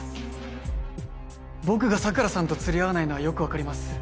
僕が桜さんと釣り合わないのはよくわかります。